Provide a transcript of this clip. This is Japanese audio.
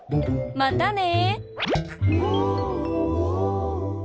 またね。